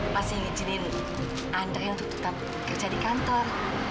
maksudnya dia ingin andre untuk tetap kerja di kantor